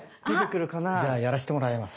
じゃあやらせてもらいます。